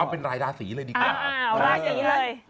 เป็นรายราศีเลยดีกว่ารายอย่างนี้เลย